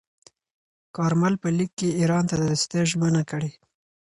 کارمل په لیک کې ایران ته د دوستۍ ژمنه کړې.